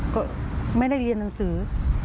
ก็ไม่ได้เรียนหนังสือ